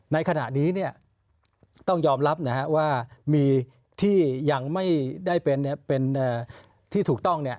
ในขณะนี้ต้องยอมรับว่ามีที่ยังไม่ได้เป็นที่ถูกต้อง